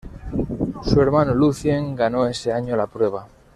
Su hermano Lucien ganó ese año la prueba.